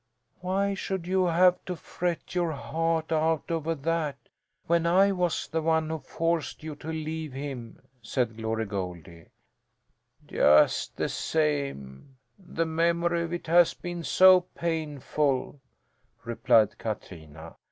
"Why should you have to fret your heart out over that, when I was the one who forced you to leave him?" said Glory Goldie. "Just the same the memory of it has been so painful," replied Katrina.